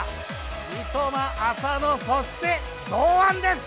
三笘、浅野、そして堂安です。